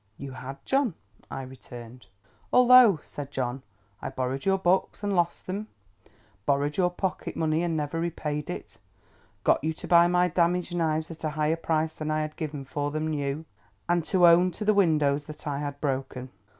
"You had, John," I returned. "Although" said John, "I borrowed your books and lost them; borrowed your pocket money, and never repaid it; got you to buy my damaged knives at a higher price than I had given for them new; and to own to the windows that I had broken."